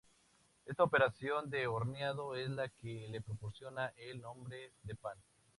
Esta operación de horneado es la que le proporciona el nombre de pan.